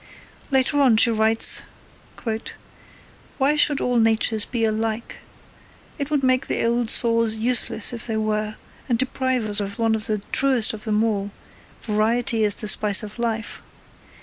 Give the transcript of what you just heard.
Later on she writes: Why should all natures be alike? It would make the old saws useless if they were, and deprive us of one of the truest of them all, 'Variety is the spice of life.'